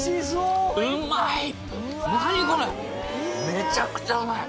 めちゃくちゃうまい！